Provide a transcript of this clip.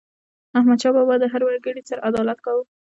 احمدشاه بابا به د هر وګړي سره عدالت کاوه.